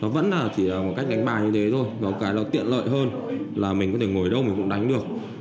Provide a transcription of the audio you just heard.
nó vẫn chỉ là một cách đánh bạc như thế thôi có cái là tiện lợi hơn là mình có thể ngồi đâu mình cũng đánh được